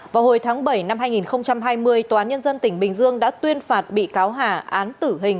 vào hồi tháng bảy năm hai nghìn hai mươi tòa án nhân dân tỉnh bình dương đã tuyên phạt bị cáo hà án tử hình